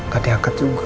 gak diangkat juga